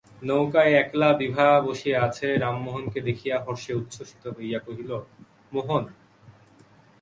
নৌকায় একলা বিভা বসিয়া আছে, রামমোহনকে দেখিয়া হর্ষে উচ্ছ্বসিত হইয়া কহিল, মোহন।